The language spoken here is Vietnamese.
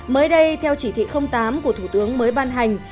mới đây theo chỉ thị tám của thủ tướng mới ban hành